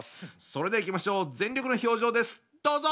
それではいきましょう全力の表情ですどうぞ！